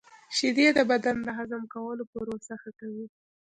• شیدې د بدن د هضم کولو پروسه ښه کوي.